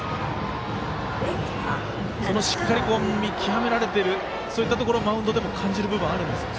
しっかり見極められてるそういったところをマウンドでも感じるんですかね。